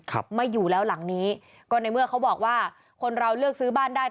ไม่อยู่แล้วหลังนี้ก็ในเมื่อเขาบอกว่าคนเราเลือกซื้อบ้านได้